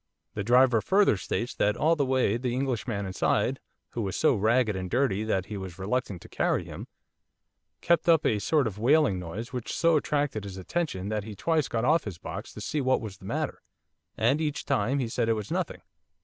The driver further states that all the way the Englishman inside, who was so ragged and dirty that he was reluctant to carry him, kept up a sort of wailing noise which so attracted his attention that he twice got off his box to see what was the matter, and each time he said it was nothing.